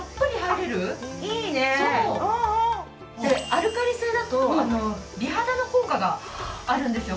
アルカリ性だと美肌の効果があるんですよ。